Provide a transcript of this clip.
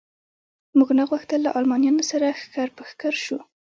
موږ نه غوښتل له المانیانو سره ښکر په ښکر شو.